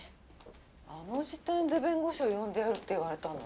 あの時点で弁護士を呼んでやるって言われたの？